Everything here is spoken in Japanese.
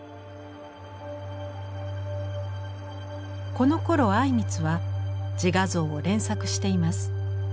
このころ靉光は自画像を連作しています。